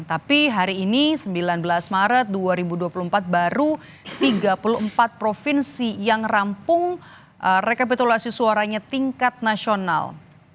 tapi hari ini sembilan belas maret dua ribu dua puluh empat baru tiga puluh empat provinsi yang rampung rekapitulasi suaranya tingkat nasional